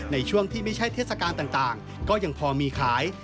ในช่วงที่ไม่ใช่เทศกาลต่างก็ยังพอมีขาย